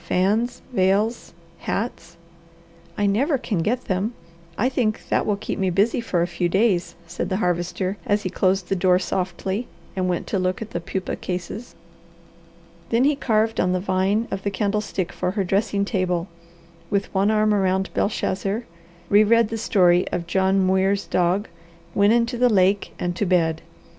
Fans. Veils. Hats. "I never can get them! I think that will keep me busy for a few days," said the Harvester as he closed the door softly, and went to look at the pupae cases. Then he carved on the vine of the candlestick for her dressing table; with one arm around Belshazzar, re read the story of John Muir's dog, went into the lake, and to bed.